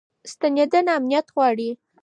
ستنېدنه امنیت غواړي.